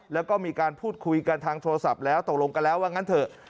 แล้วก็มีการพูดคุยกันทางโทรศัพท์แล้วตกลงกันแล้วว่างั้นเถอะ